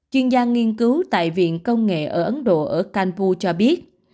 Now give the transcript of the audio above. chuyên gia nghiên cứu tại viện công nghệ ở ấn độ ở canpu cho biết